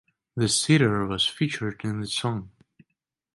The sitar was featured in the song.